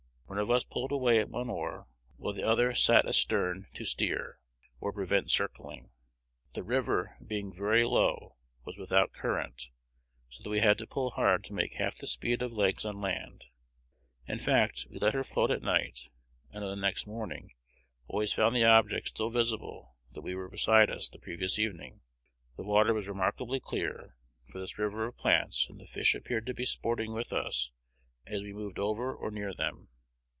One of us pulled away at the one oar, while the other sat astern to steer, or prevent circling. The river being very low was without current, so that we had to pull hard to make half the speed of legs on land, in fact, we let her float all night, and on the next morning always found the objects still visible that were beside us the previous evening. The water was remarkably clear, for this river of plants, and the fish appeared to be sporting with us as we moved over or near them.